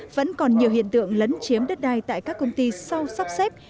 vẫn còn nhiều hiện tượng lấn chiếm đất đai tại các công ty sau sắp xếp